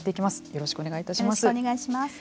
よろしくお願いします。